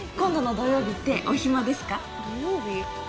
土曜日？